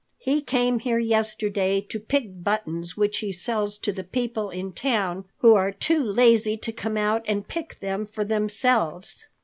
He came here yesterday to pick buttons which he sells to the people in town who are too lazy to come out and pick them for themselves."